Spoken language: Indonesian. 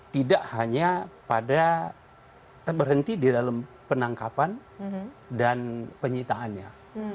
tidak hanya pada berhenti di dalam penangkapan dan penyitaannya